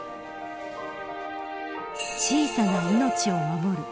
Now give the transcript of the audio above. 小さな命を守る。